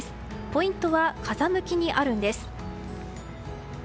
ポイントは風向きにあるんです。